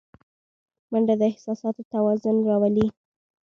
منډه د احساساتو توازن راولي